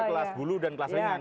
kalau kelas bulu dan kelas lengan